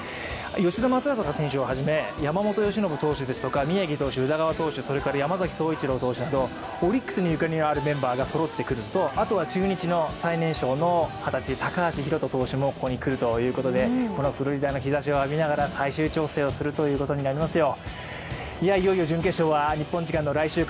吉田正尚選手をはじめそれから山崎颯一郎投手などオリックスにゆかりのあるメンバーがそろうなどあとは中日の最年少の二十歳、高橋宏斗投手もここに来るということで、フロリダの日ざしを浴びながら最終調整をするということになりますよ。